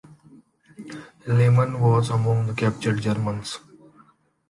Lehmann was among the captured Germans.